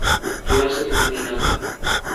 ریاست مدینہ کا۔